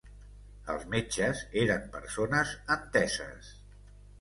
Els metges eren persones enteses